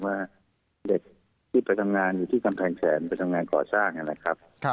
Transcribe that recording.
ว่าเด็กที่ไปทำงานอยู่ที่กำแพงแสนไปทำงานก่อสร้างนะครับ